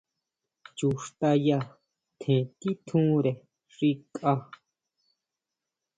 Chu xtaya tjen titjure xi kʼa.